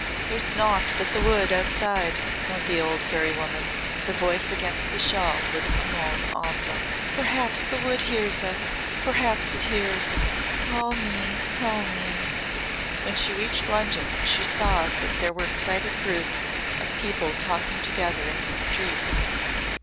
"There's naught but the wood outside," moaned the old fairy woman. The voice against the shawl was a moan also. "Perhaps the wood hears us perhaps it hears. Oh! me! Oh! me!" When she reached London she saw that there were excited groups of people talking together in the streets.